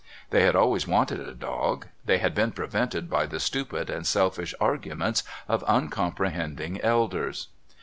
They had always wanted a dog; they had been prevented by the stupid and selfish arguments of uncomprehending elders.